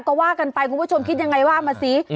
ก็ว่ากันไปคุณผู้ชมคิดยังไงว่ามาซิ